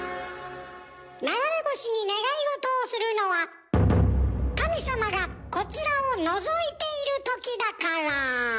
流れ星に願いごとをするのは神様がこちらをのぞいているときだから。